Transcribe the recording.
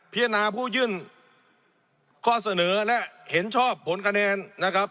พิจารณาผู้ยื่นข้อเสนอและเห็นชอบผลคะแนนนะครับ